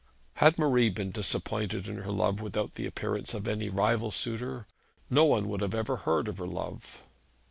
Had Marie been disappointed in her love without the appearance of any rival suitor, no one would have ever heard of her love.